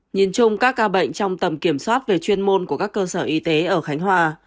nhìn chung các ca bệnh trong tầm kiểm soát về chuyên môn của các cơ sở y tế ở khánh hòa